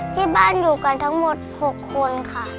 ที่บ้านอยู่กันทั้งหมด๖คนค่ะ